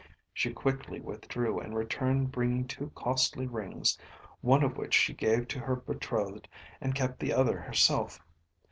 She quickly withdrew, and returned bringing two costly rings, one of which she gave to her betrothed and kept the other herself.